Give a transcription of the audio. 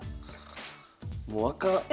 もうあかんこれ。